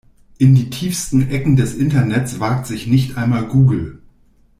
In die tiefsten Ecken des Internets wagt sich nicht einmal Google.